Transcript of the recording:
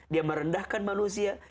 dia merendahkan manusia